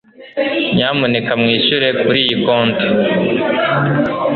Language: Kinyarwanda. Nyamuneka mwishyure kuriyi compte